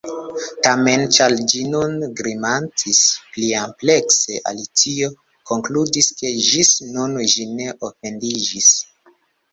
Tamen, ĉar ĝi nur grimacis pliamplekse, Alicio konkludis ke ĝis nun ĝi ne ofendiĝis.